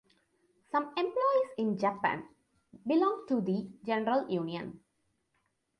Some employees in Japan belong to the General Union.